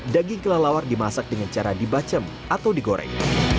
daging kelelawar dimasak dengan cara dibacem atau digoreng